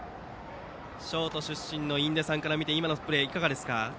ショート出身の印出さんから見て今のプレーはどうですか。